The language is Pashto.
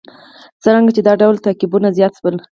څرنګه چې دا ډول تعقیبونه زیات شول.